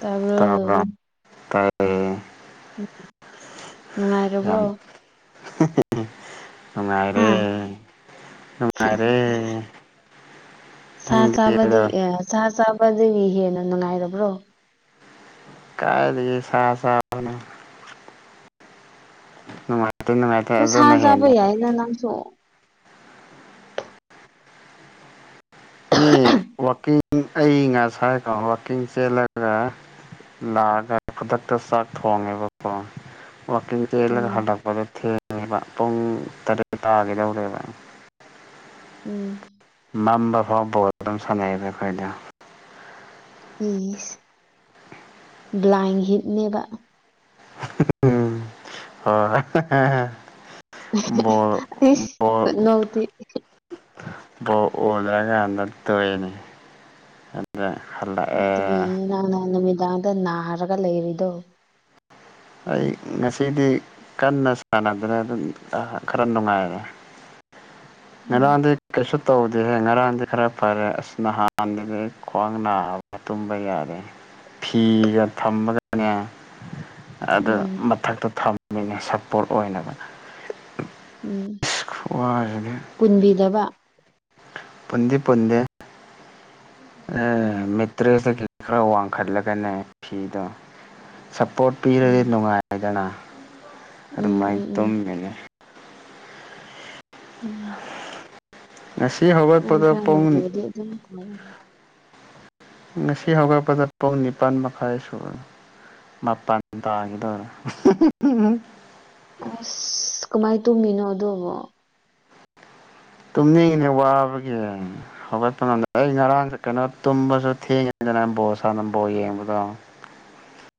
ꯇꯥꯕꯔ ꯇꯥꯕ꯭ꯔꯣ ꯇꯥꯏꯌꯦ ꯅꯨꯡꯉꯥꯏꯔꯕꯔ꯭ꯣ ꯅꯨꯃꯥꯏꯔꯦ ꯅꯨꯃꯥꯏꯔꯦ ꯁꯥ ꯆꯥꯕꯗꯒꯤ ꯁꯥ ꯆꯥꯕꯗꯒꯤ ꯍꯦꯟꯅ ꯅꯨꯡꯉꯥꯏꯔꯕ꯭ꯔꯣ ꯀꯥꯏꯗꯒꯤ ꯁꯥ ꯆꯅ [inaudible] ꯅꯨꯡꯉꯥꯏꯇꯦ ꯅꯨꯡꯉꯥꯏꯇꯦ ꯁꯥ ꯑꯗꯨꯅ ꯆꯥꯕ ꯍꯦꯟꯅ ꯌꯥꯏꯅ ꯅꯪꯁꯨ ꯃꯤ ꯋꯥꯛꯀꯤꯡ ꯑꯩ ꯉꯥꯁ ꯍꯥꯏꯀꯣ ꯋꯥꯛꯀꯤꯡ ꯆꯦꯜꯂꯒ ꯂꯥꯛꯑꯒ ꯈꯨꯗꯛꯇ ꯆꯥꯛ ꯊꯣꯡꯉꯦꯕꯀꯣ ꯋꯥꯀꯤꯒꯤ ꯂ ꯍ ꯎꯝ ꯂꯄꯗ ꯏꯦ ꯄꯨꯡ ꯇꯔꯦꯛ ꯇꯥꯒꯗꯧꯔꯦꯕ ꯎꯝ ꯃꯝꯕ ꯐꯥꯎꯕ ꯑꯗꯨꯝ ꯁꯥꯟꯅꯩꯑꯕ ꯑꯩꯈꯣꯏꯗ ꯏ ꯕ꯭ꯂꯥꯏꯟ ꯍꯤꯠꯅꯦꯕ ꯎꯝ ꯍ [inaudible] ꯕꯣꯜ ꯏꯁ ꯕꯣ ꯈꯨꯅꯣꯛꯇꯤ ꯕꯣ ꯑꯣꯗ꯭ꯔꯀꯥꯟꯗ ꯇꯣꯏꯅꯤ ꯑꯗꯨꯅ ꯑꯗꯨꯅꯤ ꯅꯍꯥꯟ ꯅꯍꯥꯟ ꯅꯨꯃꯤꯗꯥꯡꯗ ꯅꯥꯔꯒ ꯂꯩꯔꯤꯗꯣ ꯑꯩ ꯉꯁꯤꯗꯤ ꯀꯟꯅ ꯁꯥꯟꯅꯗꯅ ꯑꯗꯨꯝ ꯈꯔ ꯅꯨꯡꯉꯥꯏꯔꯦ [unintelligible] ꯎꯝ ꯅꯗ ꯀ꯭ꯔꯤꯁ ꯇꯧꯗꯦꯍꯦ ꯉꯔꯥꯡꯗꯤ ꯈꯔ ꯐꯔꯦ ꯑꯁ ꯅꯍꯥꯟꯗꯒꯤ ꯈ꯭ꯋꯥꯡ ꯅꯥꯕ ꯇꯨꯝꯕ ꯌꯥꯔꯦ ꯐꯤꯒ ꯊꯝꯃꯒꯅꯦ ꯑꯗꯨ ꯎꯝ ꯃꯊꯛꯇ ꯊꯝꯃꯤꯅꯦ ꯁꯞꯄꯣꯔꯠ ꯑꯣꯏꯅꯕ ꯎꯝ ꯑꯁ ꯈꯨꯋꯥꯁꯤꯗꯤ ꯄꯨꯟꯕꯤꯗꯕ ꯄꯨꯟꯗꯤ ꯄꯨꯟꯗꯦ ꯑ ꯎꯝ ꯃꯇ꯭ꯔꯁ ꯈꯔ ꯋꯥꯡꯈꯠꯂꯒꯅꯦ ꯐꯤꯗꯣ ꯁꯞꯄꯣꯔꯠ ꯄꯤꯔꯗꯤ ꯎꯝ ꯅꯨꯡꯉꯥꯏꯗꯅ ꯑ ꯎꯝ ꯎꯝ ꯎꯝ ꯃꯥꯥꯏꯇꯝ ꯃ ꯎꯝ ꯉꯁꯤ ꯏ ꯍꯧꯒꯠꯄꯗ ꯄꯨꯡ ꯈꯅꯨꯡꯉꯗꯤ ꯑꯗꯨ ꯉꯁꯤ ꯍꯧꯔꯠꯄꯗ ꯄꯨꯡ ꯅꯤꯄꯥꯜ ꯃꯈꯥꯏ ꯁꯨꯕꯅꯨ ꯃꯄꯥꯟꯅ ꯇꯒꯗꯔ ꯑꯁ ꯀꯃꯥꯏꯅ ꯇꯨꯝꯃꯤꯅꯣ ꯑꯗꯨꯣꯕꯣ ꯇꯨꯝꯅꯤꯡꯉꯤꯅꯦ ꯋꯥꯕꯒꯤ ꯍꯧꯒꯠꯄ ꯉꯗ ꯑꯩ ꯉꯔꯥꯡꯁ ꯀꯩꯅꯣ ꯇꯨꯝꯕꯁꯨ ꯊꯦꯡꯉꯅꯤ ꯑꯗꯨ ꯅꯝꯕꯣ ꯁꯥ ꯅꯝꯕ ꯌꯦꯡꯕꯗꯣ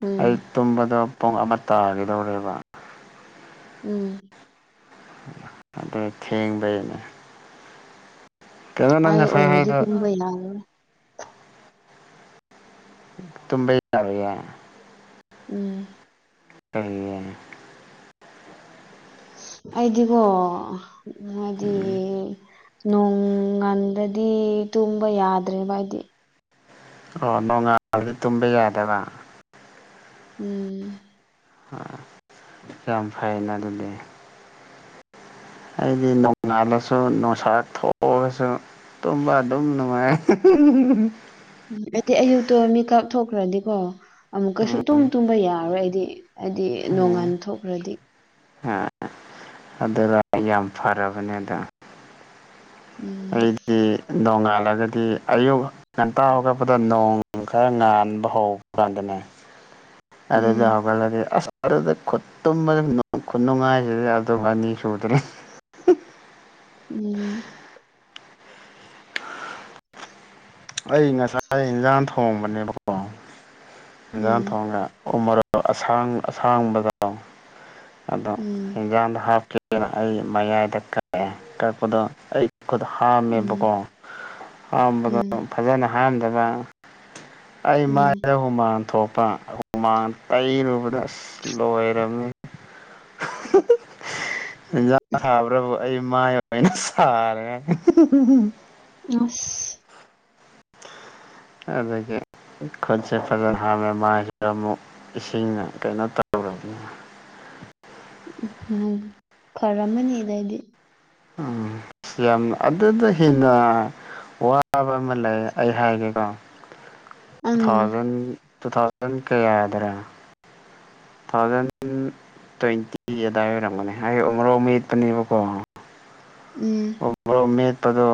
ꯎꯝ ꯑꯩ ꯇꯨꯝꯕꯗ ꯄꯨꯡ ꯑꯃ ꯇꯥꯒꯗꯧꯦꯔꯤꯕ ꯎꯝ ꯑꯗ ꯊꯦꯡꯕꯩꯅꯦ ꯀꯩꯅꯣ ꯅꯪ ꯑꯩ ꯉꯁꯥꯏ ꯑꯣꯏꯔꯗꯤ ꯍꯥꯏꯗꯣ ꯇꯨꯝꯕꯩ ꯂ ꯇꯨꯝꯝꯕꯩ ꯌꯥꯔꯦ ꯎꯝ ꯇꯅ ꯑꯩꯗꯤꯒꯣ ꯍꯥꯏꯗꯤ ꯎꯝ ꯅꯣꯡ ꯉꯟꯗꯗꯤ ꯇꯨꯝꯕ ꯌꯥꯗ꯭ꯔꯦꯕꯏꯗꯤ ꯑꯣ ꯅꯣꯡꯉꯥꯜꯂꯗꯤ ꯇꯨꯝꯕ ꯌꯥꯗꯕ ꯎꯝ ꯌꯥꯝ ꯐꯩꯅ ꯑꯗꯨꯗꯤ ꯍꯥꯏꯗꯤ ꯅꯣꯡꯉꯥꯜꯂꯁꯨ ꯣꯡꯁꯥꯛ ꯊꯣꯛꯑꯒꯁꯨ ꯇꯨꯝꯕ ꯑꯗꯨꯝ ꯅꯨꯡꯉꯥꯏ ꯎꯝ ꯎꯝ ꯍꯥꯏꯗꯤ ꯑꯌꯨꯛꯇꯣ ꯃꯤ ꯀꯥꯞꯊꯣꯛꯈ꯭ꯔꯗꯤꯀꯣ ꯑꯃꯨꯛꯀꯩꯁꯨ ꯎꯝ ꯇꯨꯝ ꯇꯨꯝꯕ ꯌꯥ ꯌꯥꯔꯣꯏ ꯑꯩꯗꯤ ꯍꯥꯏꯗꯤ ꯅꯣꯡꯉꯥꯟ ꯊꯣꯛꯈ꯭ꯔꯗꯤ ꯑꯗꯨꯗ ꯌꯥꯝ ꯐꯔꯕꯅꯦ ꯑꯗ ꯎꯝ ꯑꯩꯗꯤ ꯅꯣꯡꯉꯥꯜꯂꯒꯗꯤ ꯑꯌꯨꯛ ꯉꯟꯇꯥ ꯍꯧꯒꯠꯄꯗ ꯅꯣꯡ ꯈꯔ ꯉꯥꯟꯕ ꯍꯧꯕ ꯀꯥꯟꯗꯅꯦ [unintelligible] ꯑꯔꯦꯗ ꯎꯝ ꯍꯧꯒꯂꯔꯦ ꯑ ꯑꯗꯨꯗ ꯈꯨꯠꯇꯨꯝꯕꯗ ꯈꯨꯅꯨꯡꯉꯥꯏꯁꯤꯗ ꯑꯗꯨꯒ ꯑꯅꯤ ꯁꯨꯗ꯭ꯔꯦ ꯎꯝ ꯑꯩ ꯉꯁꯥꯏ ꯏꯟꯖꯥꯡ ꯊꯣꯡꯕꯅꯦꯕꯀꯣ ꯏꯟꯖꯥꯡ ꯎꯝ ꯊꯣꯡꯉ ꯎꯃ ꯑꯁꯥꯡꯕꯗꯣ ꯑꯗꯣ ꯎꯝ ꯍꯤꯡꯀꯥꯟꯗ ꯍꯥꯞꯀ ꯑꯩ ꯃꯌꯥꯏꯗ ꯀꯛꯑꯦ ꯀꯛꯄꯗꯣ ꯑꯩ ꯈꯨꯠ ꯎꯝ ꯍꯥꯝꯃꯦꯕꯀꯣ ꯍꯥꯝꯕꯗꯣ ꯎꯝ ꯐꯖꯅ ꯍꯥꯝꯗꯅ ꯑꯩꯃꯥꯦ ꯎꯝ ꯍꯨꯃꯥꯟ ꯄꯨꯊꯣꯛꯄ ꯍꯨꯃꯥꯡ ꯇꯩꯔꯨꯕꯗ ꯑꯁ ꯂꯣꯏꯔꯝꯃꯤ [unintelligible] ꯏꯟꯖꯥꯡ ꯊꯥꯕ꯭ꯔꯕꯨ ꯑꯩ ꯃꯥꯏ ꯑꯣꯏꯅ ꯁꯥꯔꯦꯦ ꯑꯁ ꯑꯗꯨꯗꯒꯤꯗꯒꯤꯦ ꯈꯣꯜꯁꯦ ꯐꯔ ꯑꯍ ꯃꯃꯥꯏꯁꯤꯗ ꯑꯃꯨꯛ ꯏꯁꯤꯡꯅ ꯀꯩꯅꯣ ꯇꯧꯔꯕꯅꯤ ꯎ ꯎꯝ ꯐꯔꯝꯃꯅꯤꯗꯏꯗꯤ ꯎꯝ ꯌꯥꯝ ꯑꯗꯨꯗ ꯍꯦꯟꯅ ꯋꯥꯕ ꯑꯃ ꯂꯩ ꯑꯩ ꯍꯥꯏꯒꯦꯀꯣ ꯇꯨ ꯑꯪ ꯊꯥꯎꯖꯟ ꯇꯨ ꯊꯥꯎꯖꯟ ꯀꯌꯥꯗ꯭ꯔꯥ ꯊꯥꯎꯖꯟ ꯇ꯭ꯋꯦꯟꯇꯤ ꯑꯗꯥꯏ ꯑꯣꯏꯔꯝꯒꯅꯦ ꯑꯩ ꯃꯣꯔꯣꯛ ꯃꯠꯄꯅꯦꯕꯀꯣ ꯎꯝ ꯄꯗꯨ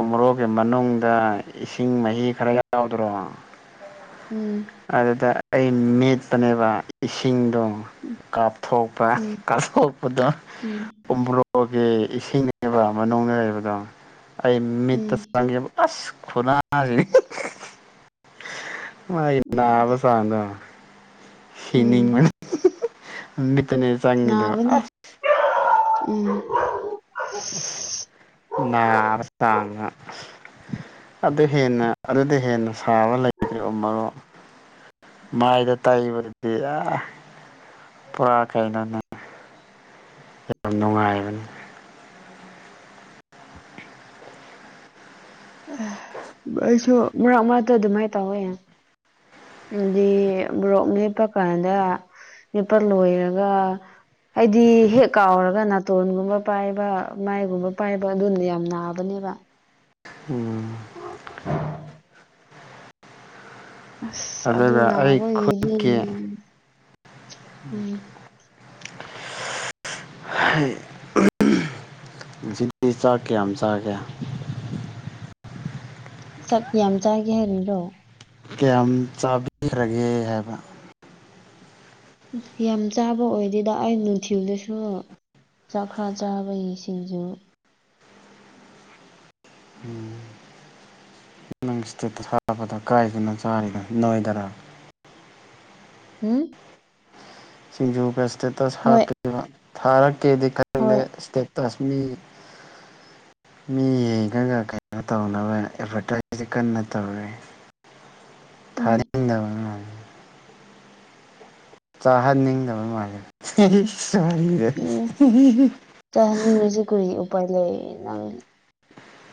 ꯎꯣꯔꯣꯛꯒꯤ ꯃꯅꯨꯡꯗ ꯏꯁꯤꯡ ꯃꯍꯤ ꯈꯔ ꯌꯥꯎꯗ꯭ꯔꯣ ꯎꯝ ꯑꯗꯨꯗ ꯑꯩ ꯃꯦꯠꯄꯅꯦꯕ ꯏꯁꯤꯡꯗꯣ ꯀꯥꯞꯊꯣꯛꯄ ꯎꯝ ꯀꯊꯄꯗ ꯎꯝ ꯎꯝꯕꯔꯣ ꯑꯣꯒꯤꯦ ꯏꯁꯤꯡꯅꯦꯕ ꯃꯅꯨꯡꯗ ꯂꯩꯕꯗꯣ ꯑꯩ ꯃꯤꯠꯇ ꯎꯝ ꯆꯪꯒꯦ ꯑꯁ ꯈꯨꯅꯥꯁꯤ ꯅꯅꯥꯕꯁꯥꯡꯗ ꯁꯤꯤꯅꯤ ꯃ ꯎꯝ ꯃꯤꯇꯅꯦ ꯆꯥꯡꯂꯤꯗꯨ ꯅꯥꯕꯅꯤ ꯎꯝ ꯅ ꯑꯥꯉ ꯑꯗꯨ ꯍꯦꯟꯅ ꯑꯗꯨꯗ ꯍꯦꯟꯅ ꯁꯥꯕ ꯂꯩꯇ꯭ꯔꯦ ꯃꯔꯣ ꯃꯥꯏꯗ ꯇꯩꯕꯗꯤ ꯑ ꯄꯨꯔꯥ ꯀꯩꯅꯅꯦ ꯌꯥꯝ ꯅꯨꯡꯉꯥꯏꯕꯅꯤ ꯁꯨ ꯍ ꯑ ꯇ ꯑꯗꯨꯃꯥꯏ ꯇ ꯍꯣꯏ ꯑꯗꯨꯗꯤ ꯣꯔꯣꯛ ꯅꯦꯞꯄ ꯀꯥꯟꯗ ꯅꯦꯞꯄ ꯂꯣꯏꯔꯒ ꯍꯥꯏꯗꯤ ꯍꯦꯛ ꯀꯥꯎꯔꯒ ꯅꯥꯇꯣꯟꯒꯨꯝꯕ ꯄꯥꯏꯕ ꯃꯥꯏꯒꯨꯝꯕ ꯄꯥꯏꯕ ꯑꯗꯨꯅ ꯌꯥꯝ ꯅꯥꯕꯅꯤ ꯋꯥ ꯎꯝ [unintelligible] ꯑꯁ ꯑꯗꯨ ꯑꯗꯨꯒ ꯑꯗꯨ ꯑꯩ ꯅꯕ ꯏꯗꯤ ꯈꯨꯠꯀꯤ ꯎꯝ ꯍꯥꯏ ꯤ ꯆꯥꯛ ꯀꯌꯥꯝ ꯌꯥꯝ ꯆꯥꯒꯦ ꯁꯠ ꯌꯥꯝ ꯆꯥꯒꯦ ꯍꯥꯏꯔꯤꯔꯣ ꯀꯌꯥꯝ ꯆꯥꯕꯤꯈ꯭ꯔꯒꯦ ꯍꯥꯏꯕ ꯌꯥꯝ ꯆꯥꯕ ꯑꯣꯏꯗꯦꯗ ꯑꯩ ꯅꯨꯡꯊꯤꯜꯗꯨꯁꯨ ꯆꯥꯛꯈ꯭ꯔꯥ ꯆꯥꯕꯩꯁꯤꯡꯁꯨ ꯎꯝ ꯅꯪ ꯏꯁꯇꯦꯠꯇ ꯊꯥꯕꯗ ꯀꯥꯏꯗꯨꯅ ꯆꯥꯔꯤꯗ ꯅꯣꯏꯗꯔꯥ ꯎꯝ ꯁꯤꯡꯖꯨꯒ ꯏꯁꯇꯦꯇꯁ ꯍꯣꯏ ꯍꯥꯞꯄꯤꯕ ꯊꯥꯔꯛꯀꯦꯗꯤ ꯈ ꯍꯣꯏ ꯇꯁꯃꯤ ꯃꯤꯒꯒ ꯀꯩꯅꯣ ꯇꯧꯅꯕ ꯑꯦꯠꯚꯔꯇꯥꯏꯁꯁꯦ ꯀꯟꯅ ꯇꯧꯋꯤ [unintelligible] ꯊꯔ ꯎ ꯆꯥꯍꯟꯅꯤꯡꯗꯕ ꯃꯥꯜꯂꯦ ꯁꯣꯔꯤꯗ ꯎꯝ ꯆꯍꯅꯤ ꯍꯧꯖꯤ ꯀ ꯂꯩ ꯅꯪ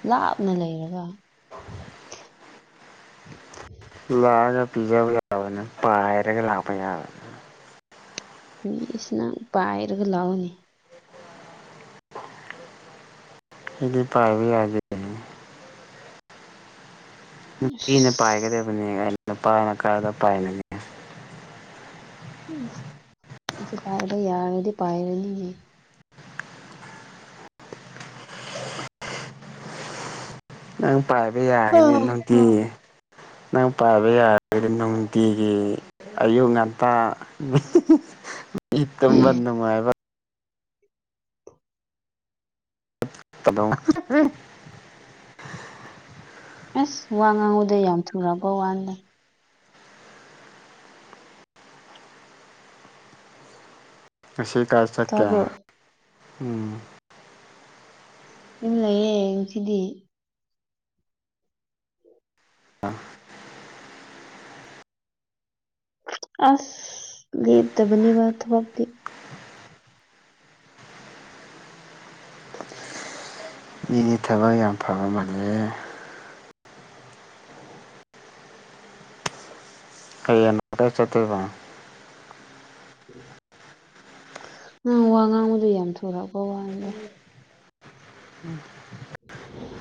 ꯂꯥꯞꯅ ꯂꯩꯔꯒ [unintelligible] ꯌꯥꯒ ꯄꯤꯖꯕ ꯌꯥꯅ ꯄꯥꯥꯏꯔꯒ ꯂꯥꯄꯌꯥꯕꯅ ꯃꯤꯁꯤꯅꯪ ꯄꯥꯏꯔꯒ ꯂꯥꯛꯎꯅꯤ ꯏꯗꯤ ꯄꯥꯏꯕ ꯌꯥꯒꯦꯅꯦ ꯅꯨꯄꯤꯅ ꯄꯥꯏꯒꯗꯕꯅꯤ ꯅꯨꯄꯥꯅ ꯀꯥꯗ ꯄꯥꯏꯕꯅꯦ ꯎ ꯁꯤ ꯄꯥꯏꯕ ꯌꯥꯔꯗꯤ ꯄꯥꯏꯔꯅꯤ ꯅꯪ ꯄꯥꯏꯕ ꯌꯥꯒꯅꯤ ꯅꯨꯡꯇ ꯅꯪ ꯄꯥꯏꯕ ꯌꯥꯒꯗꯤ ꯅꯨꯡꯇꯤꯒꯤ ꯑꯌꯨꯛ ꯉꯟꯇꯥ ꯏꯇꯝ ꯅꯅꯨꯡꯕ ꯇꯗꯣ ꯑꯁ ꯋꯥ ꯉꯥꯡꯉꯨꯗ ꯌꯥꯝ ꯊꯔꯕ ꯋꯥꯗ ꯉꯁꯤ ꯀꯥꯏ ꯆꯠꯀꯦ ꯇꯥꯕ꯭ꯔꯣ ꯎꯝ ꯏꯝꯂ ꯌꯦꯁꯤꯗꯤ ꯑꯥ ꯑꯁ ꯂꯩꯗꯕꯅꯤꯕ ꯊꯗꯤ ꯃꯤꯗꯤ ꯊꯕꯛ ꯌꯥꯝ ꯐꯕ ꯃꯥꯜꯂꯦ ꯑꯩꯇ ꯆꯠꯇꯕ ꯑꯪ ꯋꯥ ꯉꯥꯡꯕꯗ ꯌꯥꯝ ꯊꯣꯔꯛꯑꯄ ꯋꯥꯗ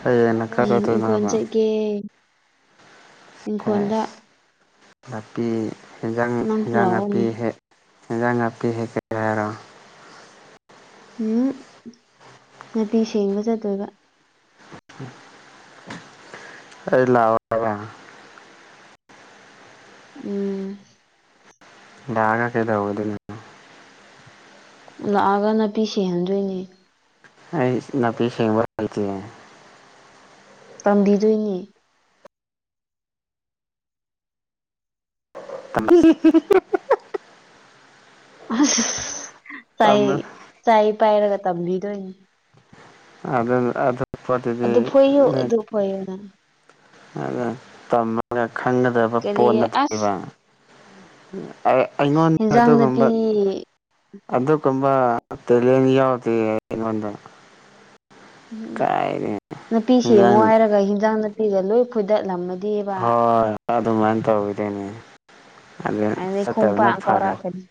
ꯍꯌꯦꯅ ꯈ ꯍꯌꯦꯡ ꯏꯪꯈꯣꯜ ꯆꯗꯣꯏꯅꯕ ꯆꯠꯀꯦ ꯏꯪꯈꯣꯜꯗ ꯅꯥꯄꯤ ꯏꯟꯖꯥꯡ ꯅꯪꯁꯨ ꯑꯦꯟꯖꯥꯡ ꯅꯥꯄꯤ ꯂꯥꯛꯑꯣꯅꯦ ꯍꯦꯛ ꯖ ꯉꯄꯤ ꯍꯀ ꯍꯥꯏꯔꯣ ꯎꯝ ꯅꯥꯄꯤ ꯁꯦꯡꯕ ꯆꯠꯇꯣꯏꯕ ꯑꯩ ꯂꯑꯣ ꯎꯝ ꯥꯒ ꯀꯩꯗ ꯑꯗꯨꯅ ꯂꯥꯛꯑꯒ ꯅꯥꯄꯤ ꯁꯤꯍꯟꯗꯣꯏꯅꯦ ꯑꯩ ꯅꯅꯥꯄꯤ ꯁꯦꯡꯕ ꯂꯇ ꯇꯥꯝꯕꯤꯗꯣꯏꯅꯤ [inaudible] ꯆꯥꯏ ꯇꯝꯃꯦ ꯆꯥꯏ ꯄꯥꯏꯔꯒ ꯇꯝꯕꯤꯗꯅꯤ ꯑꯗ ꯑꯙ ꯄꯥꯔꯇꯤꯗꯤ ꯑꯗꯨ ꯐꯣꯏꯌꯨ ꯑꯗꯨ ꯐꯣꯏꯌꯨꯅ ꯑꯗꯨ ꯇꯝꯃꯒ ꯈꯪꯒꯗꯕ ꯀꯔꯤ ꯄꯣꯠꯅ ꯑꯁ ꯄꯕ ꯑꯩꯉꯣꯟꯗ ꯍꯦꯟꯖꯥꯡ ꯑꯗꯨꯒꯨꯝꯕ ꯅꯥꯄꯤ ꯑꯗꯨꯒꯨꯝꯕ ꯇꯦꯂꯅ ꯌꯥꯎꯗꯦ ꯑꯩꯉꯣꯟꯗ ꯎꯝ ꯀꯥꯏꯗꯩ ꯅꯨꯄꯤ ꯁꯦꯡꯉꯣ ꯏꯟꯖꯥꯡ ꯍꯥꯏꯔꯒ ꯍꯟꯖꯥꯡ ꯅꯨꯄꯤꯗ ꯂꯣꯏ ꯈꯣꯏꯗꯠꯂꯝꯃ ꯍꯣꯏ ꯑꯗꯨꯃꯥꯏꯅ ꯇꯧꯈꯤꯗꯣꯏꯅꯦ ꯑꯗꯨꯗ ꯑꯗꯩ ꯆꯠꯇꯕꯨꯅ ꯈꯣꯡꯄꯥꯛ ꯐꯔ ꯀꯥꯎꯔꯛꯀꯅꯤ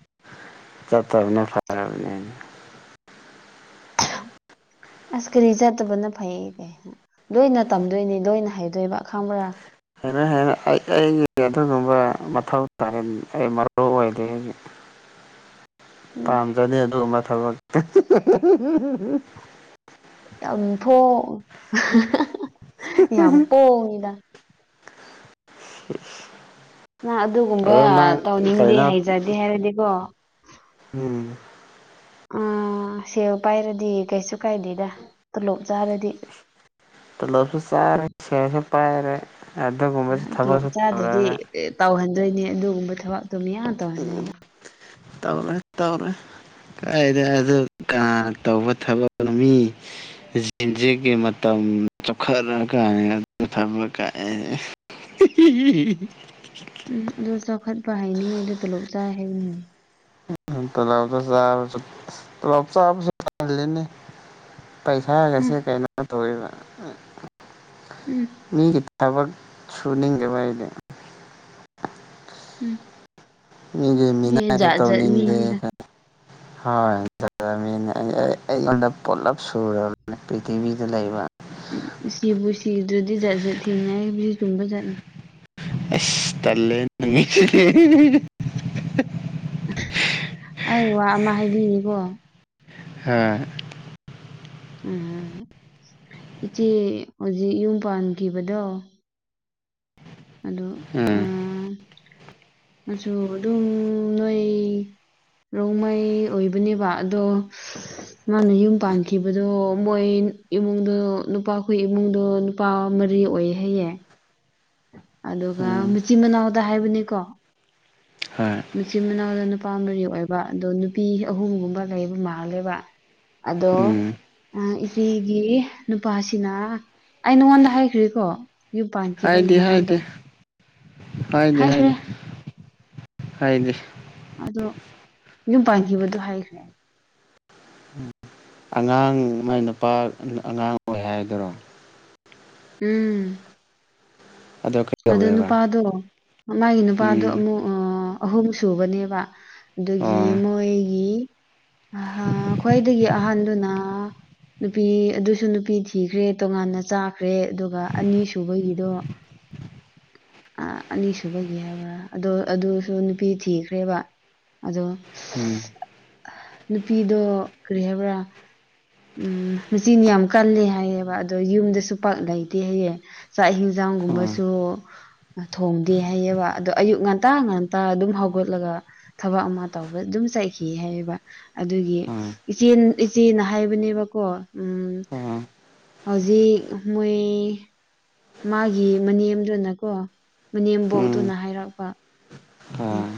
ꯆꯠꯇꯕꯨꯅ ꯐꯥꯔꯣꯅꯤ [inaudible] ꯑꯁ ꯀꯔꯤ ꯆꯠꯇꯕꯅ ꯐꯩ ꯀꯩ ꯂꯣꯏꯅ ꯇꯝꯗꯣꯏꯅꯤ ꯂꯣꯏꯅ ꯍꯥꯏꯩꯗꯣꯏꯕ ꯑꯈꯥꯡꯕꯣꯔꯥ ꯍꯦꯟꯅ ꯍꯦꯟꯅ ꯑꯩ ꯑꯩꯒꯤ ꯑꯗꯨꯒꯨꯝꯕ ꯃꯊꯧ ꯇꯥ ꯑꯩ ꯃꯔꯨ ꯑꯣꯏꯗꯦ ꯍꯧ [inaudible] ꯎꯝ ꯄꯥꯝꯖꯅꯤ ꯑꯗꯨꯒꯕ ꯊꯕ ꯌꯥꯝ ꯄ ꯌꯥꯝ ꯄꯣꯡꯉꯤꯗ [inaudible] ꯅ ꯑꯗꯨꯒꯨꯝꯕ ꯑꯗꯣ ꯅꯪ ꯇꯧꯅꯤꯡꯗꯦ ꯀꯩꯅꯣ ꯍꯩꯖꯗꯦ ꯍꯥꯏꯔꯗꯤꯀꯣ ꯎꯝ ꯑ ꯁꯦꯜ ꯄꯥꯏꯔꯗꯤ ꯀꯩꯁꯨ ꯀꯥꯏꯗꯦꯗ ꯇꯣꯂꯣꯞ ꯆꯥꯔꯗꯤ ꯇꯂ ꯆꯥꯏꯔ ꯁꯦꯝꯁ ꯄꯥꯏꯔ ꯑꯗꯨ ꯆꯥꯗ꯭ꯔꯗꯤ ꯇꯧꯍꯟꯗꯣꯏꯅꯦ ꯑꯗꯨꯒꯒꯨꯝꯕ ꯊ ꯇꯝ ꯌꯥ ꯇꯅ ꯇꯧꯔꯦ ꯇꯧꯔꯦ ꯀꯗ ꯑꯗꯨ ꯀꯅꯥ ꯇꯧꯕ ꯊꯕꯛ ꯃꯤ ꯦꯟꯖꯦꯛꯀꯤ ꯃꯇꯝ ꯎꯝ ꯆꯥꯎꯣꯛꯈꯠꯂ ꯀꯥꯏ ꯑꯗꯨ ꯐꯕ ꯀꯥꯏꯦ ꯆ ꯍꯥꯏ ꯂ ꯆꯂ ꯆꯕꯁꯨꯅꯤ ꯎꯝ ꯄꯩꯁꯥꯒꯁꯦ ꯀꯩꯅꯣ ꯇꯧꯔꯤꯕ ꯎꯝ ꯊꯕꯛ ꯁꯨꯅꯤꯡꯒꯕꯗꯤ ꯎꯝ ꯃꯤꯒꯤ ꯃꯤ ꯃꯤꯅꯥꯏꯗꯣ ꯖꯥꯠ ꯖꯥꯠ ꯇꯧꯅꯤꯡꯗꯦ ꯃꯤꯅꯤꯗ ꯍꯣꯏꯅꯤꯅꯦ ꯑꯩ ꯑꯩꯉꯣꯟꯗ ꯄꯨꯂꯞ ꯁꯔꯕꯅꯦ ꯄ꯭ꯔꯤꯊꯤꯕꯤꯗ ꯂꯩꯕ ꯎ ꯁꯤꯕꯨ ꯁꯤꯗꯨꯗꯤ ꯊꯦꯡꯅꯔꯤꯕꯁꯤ ꯆꯨꯝꯕ ꯆꯠꯂ ꯑꯁꯂꯦ ꯑꯩ ꯋꯥ ꯑꯃ ꯍꯥꯏꯕꯤꯔꯤꯀꯣ ꯑ ꯎꯝ ꯏꯆꯦ ꯍꯧꯖꯤꯛ ꯌꯨꯝ ꯄꯥꯟꯈꯤꯕꯗꯣ ꯑꯗꯣ ꯎꯝ ꯃꯆꯨ ꯑꯗꯨꯝ ꯅꯣꯏ ꯔꯣꯡꯃꯩ ꯑꯣꯏꯕꯅꯦꯕ ꯑꯗꯣ ꯃꯥꯅ ꯌꯨꯝ ꯄꯥꯟꯈꯤꯕꯗꯣ ꯃꯣꯏ ꯏꯃꯨꯡꯗꯣ ꯅꯨꯄꯥ ꯑꯩ ꯏꯃꯨꯡꯗꯣ ꯅꯨꯄꯥ ꯃꯔꯤ ꯔꯤ ꯑꯣꯏꯍꯌꯦ ꯑꯗꯨꯒ ꯎꯝ ꯃꯆꯤꯟ ꯃꯅꯥꯎꯗ ꯍꯥꯏꯕꯅꯤꯀꯣ ꯍꯣꯏ ꯃꯆꯤꯜ ꯃꯥꯅꯎꯗꯅꯨꯞ ꯅꯨꯄꯥ ꯃꯔꯤ ꯑꯣꯏꯕ ꯑꯗꯣ ꯅꯨꯄꯤ ꯑꯍꯨꯝꯒꯨꯝꯕ ꯂꯩꯕ ꯃꯥꯥꯡꯂꯦꯕ ꯑꯗꯣ ꯎꯝ ꯏꯆꯤꯒꯤ ꯅꯨꯄꯥꯁꯤꯅ ꯑꯩ ꯅꯉꯣꯟꯗ ꯍꯥꯏꯈ꯭ꯔꯤꯀꯣ ꯍꯥꯏꯗꯤ ꯍꯥꯏꯗꯤ ꯍꯥꯏꯗꯦ ꯍꯥꯏꯈ꯭ꯔꯦ ꯍꯥꯏꯗꯦ ꯍꯥꯏꯗꯦ ꯑꯗꯣ ꯌꯨꯝ ꯄꯥꯟꯈꯤꯕꯗꯣ ꯍꯥꯏꯈ꯭ꯔꯦ ꯑꯉꯥꯡ ꯃꯥꯏ ꯅꯨꯄꯥ ꯑꯉꯥꯡ ꯑꯣꯏ ꯍꯥꯏꯗꯔꯣ ꯎꯝ ꯑꯗꯣ ꯑꯣ ꯀꯩꯗꯧꯋꯦꯕ ꯅꯨꯄꯥꯗꯣ ꯃꯥꯒꯤ ꯅꯨꯄꯥꯗꯣ ꯎꯝ ꯑꯃꯨꯛ ꯑꯍꯨꯝ ꯁꯨꯕꯅꯦꯕ ꯑꯣ ꯑꯗꯨꯒꯤ ꯃꯣꯏꯒꯤ ꯑ ꯈ꯭ꯋꯥꯏꯗꯒꯤ ꯑꯍꯟꯗꯨꯅ ꯅꯨꯄꯤ ꯑꯗꯨꯁꯨ ꯅꯨꯄꯤ ꯊꯤꯈ꯭ꯔꯦ ꯇꯣꯉꯥꯟꯅ ꯆꯥꯈ꯭ꯔꯦ ꯑꯗꯨꯒ ꯑꯅꯤꯁꯨꯨꯕꯒꯤꯗꯣ ꯑ ꯑꯅꯤ ꯁꯨꯕꯒꯤ ꯍꯥꯏꯕ ꯑꯗ ꯑꯗꯨꯁꯨ ꯅꯨꯄꯤ ꯊꯤꯈ꯭ꯔꯦꯕ ꯑꯗꯣ ꯎꯝ ꯅꯨꯄꯤꯗꯣ ꯀꯔꯤ ꯍꯥꯏꯕ꯭ꯔꯥ ꯎꯝ ꯃꯆꯤꯟ ꯌꯥꯝ ꯀꯜꯂꯦ ꯍꯥꯏꯌꯦꯕ ꯑꯗꯣ ꯌꯨꯝꯗꯁꯨ ꯄꯛ ꯂꯩꯇꯦ ꯍꯥꯏꯌꯦ ꯆꯥꯛ ꯏꯁꯤꯡ ꯆ ꯑꯣ ꯒꯨꯝꯕꯁꯨ [unintelligible] ꯊꯣꯡꯗꯦ ꯍꯥꯏꯌꯦꯕ ꯑꯗꯣ ꯑꯌꯨꯛ ꯉꯟꯇꯥ ꯉꯟꯇꯥ ꯑꯗꯨꯝ ꯍꯧꯒꯠꯂꯒ ꯊꯕꯛ ꯑꯃ ꯇꯧꯕ ꯑꯗꯨꯝ ꯆꯥꯏꯈꯤ ꯍꯥꯏꯕ ꯑꯗꯨꯒꯤ ꯑꯣ ꯏꯆ ꯏꯆꯦꯅ ꯍꯥꯏꯕꯅꯦꯕꯀꯣ ꯎꯝ ꯑꯣ ꯍꯧꯖꯤꯛ ꯃꯣꯏ ꯃꯥꯒꯤ ꯃꯅꯦꯝꯗꯨꯅꯀꯣ ꯎꯝ ꯃꯅꯦꯝꯕꯣꯛꯇꯨꯅ ꯍꯥꯏꯔꯛꯄ ꯑꯥ ꯎꯝ